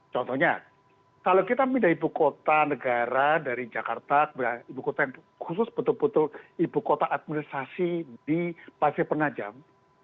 contohnya kalau kita memilih ibu kota negara dari jakarta khusus ibu kota administrasi di pasir penajam